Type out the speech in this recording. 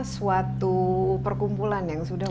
suatu perkumpulan yang sudah